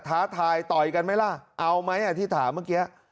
ท้าทายต่อยกันไหมล่ะเอาไหมที่ถามเมื่อกี้